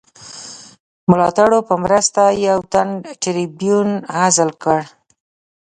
ملاتړو په مرسته یو تن ټربیون عزل کړ.